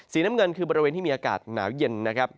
น้ำเงินคือบริเวณที่มีอากาศหนาวเย็นนะครับ